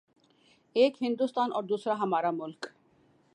:ایک ہندوستان اوردوسرا ہمارا ملک۔